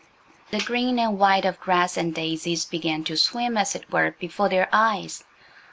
The green and white of grass and daisies began to swim, as it were, before their eyes.